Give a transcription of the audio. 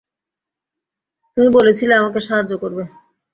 তুমি বলেছিলে আমাকে সাহায্য করবে।